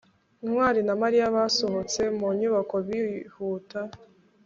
ntwali na mariya basohotse mu nyubako bihuta